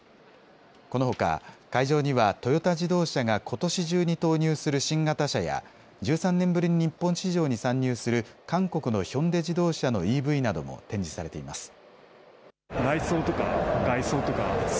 このほか会場にはトヨタ自動車がことし中に投入する新型車や１３年ぶりの日本市場に参入する韓国のヒョンデ自動車のＥＶなども展示されています。